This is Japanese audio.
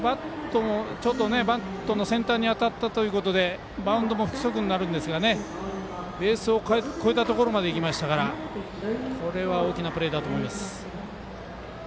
バットの先端に当たったということでバウンドも不規則になるんですがベースを越えたところまでいきましたから大きなプレーだと思います。